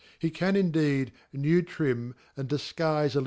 \ he can, indeed* Hew trim, and difguife *.